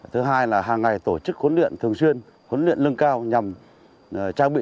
thứ hai là hàng ngày tổ chức khuấn luyện thường xuyên khuấn luyện lưng cao nhằm trang bị